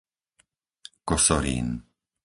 Kosorín